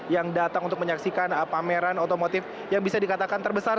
yang datang untuk menyaksikan pameran otomotif yang bisa dikatakan terbesar